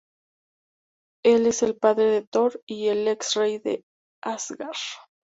Él es el padre de Thor y ex rey de Asgard.